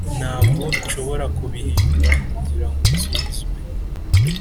ntabwo nshobora kubihindura kugirango nsubizwe,